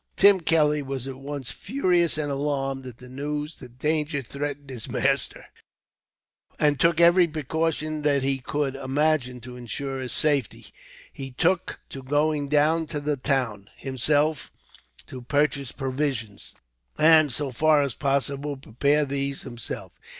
Tim Kelly was at once furious and alarmed, at the news that danger threatened his master, and took every precaution that he could imagine to ensure his safety. He took to going down to the town, himself, to purchase provisions; and, so far as possible, prepared these himself.